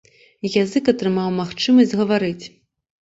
Язык атрымаў магчымасць гаварыць.